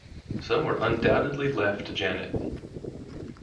Some were undoubtedly left to Janet.